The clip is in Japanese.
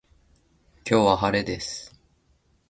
今日は晴れです。